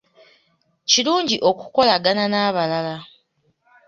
Kirungi okukolagana n'abalala.